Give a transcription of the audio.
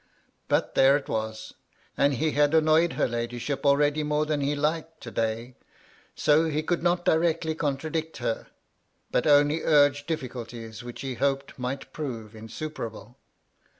But there it was ; and he had annoyed her ladyship already more than he liked to day, so he MY LADY LUDLOW. 209 could not directly contradict her, but only urge diffi culties which he hoped might prove insuperable.